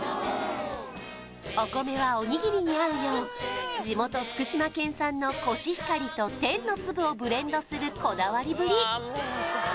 お米はおにぎりに合うよう地元福島県産のコシヒカリと天のつぶをブレンドするこだわりぶり